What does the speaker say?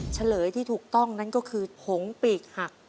ชะเฉลยที่ถูกต้องก็คือหงปีกหัก